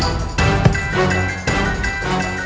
aduh gerak gerak lagi